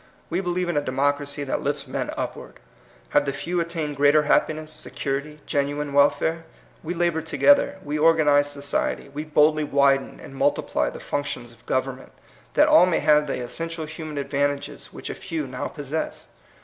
We believe in a democracy that lifts men upward. Have the few at tained greater happiness, security, genuine welfare? We labor together, we organize society, we boldly widen and multiply the functions of government, that all may have the essential human advantages which a few now possess.